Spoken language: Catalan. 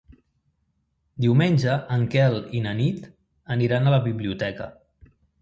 Diumenge en Quel i na Nit aniran a la biblioteca.